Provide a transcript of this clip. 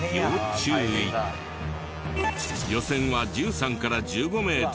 予選は１３から１５名ずつ。